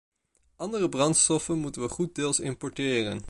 Andere brandstoffen moeten we goeddeels importeren.